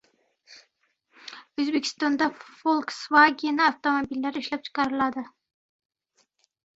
O‘zbekistonda «Folksvagen» avtomobillari ishlab chiqariladi